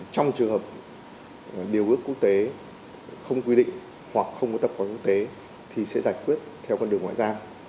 trong trường hợp điều ước quốc tế không quy định hoặc không có tập quán quốc tế thì sẽ giải quyết theo con đường ngoại giao